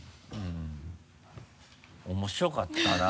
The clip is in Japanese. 面白かったな。